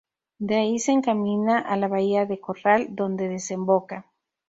De ahí se encamina a la bahía de Corral, donde desemboca.